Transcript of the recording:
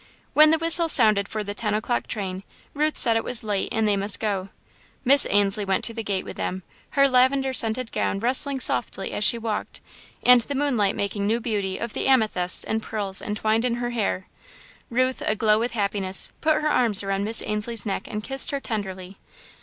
When the whistle sounded for the ten o'clock train, Ruth said it was late and they must go. Miss Ainslie went to the gate with them, her lavender scented gown rustling softly as she walked, and the moonlight making new beauty of the amethysts and pearls entwined in her hair. Ruth, aglow with happiness, put her arms around Miss Ainslie's neck and kissed her tenderly.